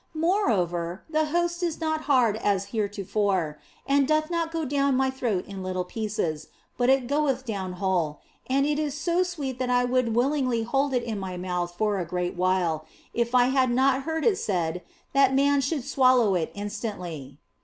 Moreover, the Host is not hard as heretofore, and doth not go down my throat in little pieces, but it goeth down whole, and it is so sweet that I would willingly hold it in my mouth for a great while if I had not heard it said that man should swallow it instantly.